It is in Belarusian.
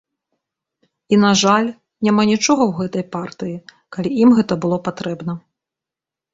І, на жаль, няма нічога ў гэтай партыі, калі ім гэта было патрэбна.